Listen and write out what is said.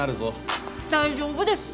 大丈夫です！